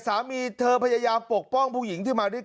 การนอนไม่จำเป็นต้องมีอะไรกัน